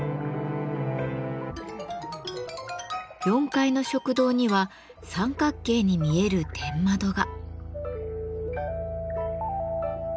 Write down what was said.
４階の食堂には三角形に見える天窓が。